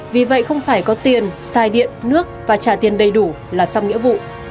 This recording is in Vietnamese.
vì vậy không phải có tiền sai điện nước và trả tiền đầy đủ là xong nghĩa vụ